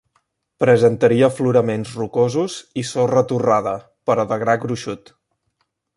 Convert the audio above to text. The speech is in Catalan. Presentaria afloraments rocosos i sorra torrada, però de gra gruixut.